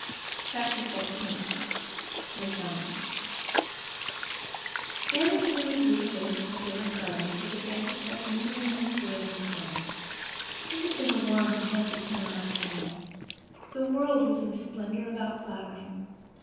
Chapter XIV The Summons Anne was sitting with Ruby Gillis in the Gillis' garden after the day had crept lingeringly through it and was gone. It had been a warm, smoky summer afternoon. The world was in a splendor of out flowering.